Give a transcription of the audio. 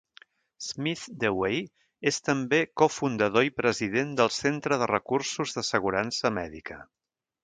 Smith-Dewey és també cofundador i president del Centre de recursos d'assegurança mèdica.